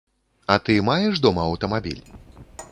А ты маеш дома аўтамабіль?